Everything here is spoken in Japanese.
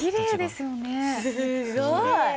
すごい。